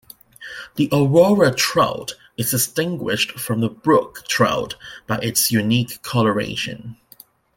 The aurora trout is distinguished from the brook trout by its unique coloration.